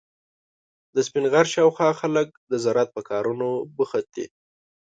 د سپین غر شاوخوا خلک د زراعت په کارونو بوخت دي.